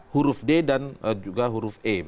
huruf d dan juga huruf e